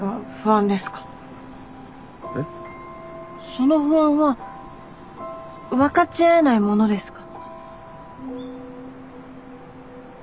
その不安は分かち合えないものですか？